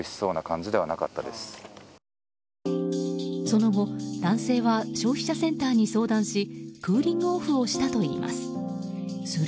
その後、男性は消費者センターに相談しクーリングオフをしたといいます。